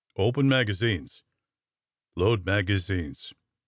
Open magazines. Load magazines.